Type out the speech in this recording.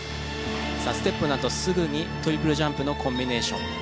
さあステップのあとすぐにトリプルジャンプのコンビネーション。